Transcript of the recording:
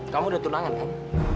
kamu udah tunangan kan